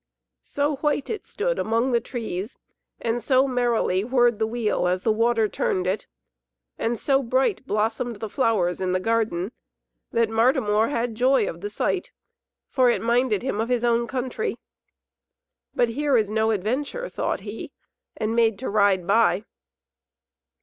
So white it stood among the trees, and so merrily whirred the wheel as the water turned it, and so bright blossomed the flowers in the garden, that Martimor had joy of the sight, for it minded him of his own country. "But here is no adventure," thought he, and made to ride by.